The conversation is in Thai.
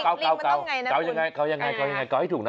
เอายังไงเอายังไงเขายังไงเกาให้ถูกนะ